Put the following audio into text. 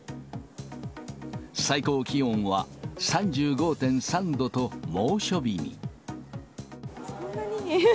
最高気温は３５．３度と猛暑そんなに？